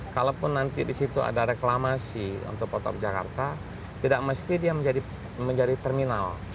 kalaupun nanti di situ ada reklamasi untuk kota jakarta tidak mesti dia menjadi terminal